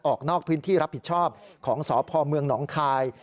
ออกนอกพื้นที่รับผิดชอบของสมนคาย